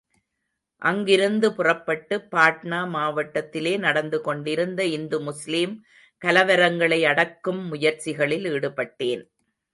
அங்கிருந்து புறப்பட்டு, பாட்னா மாவட்டத்திலே நடந்து கொண்டிருந்த இந்து முஸ்லீம் கலவரங்களை அடக்கும் முயற்சிகளில் ஈடுபட்டேன்.